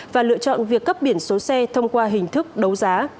và lựa chọn việc cấp biển số xe thông qua hình thức đấu giá